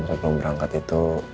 sebelum berangkat itu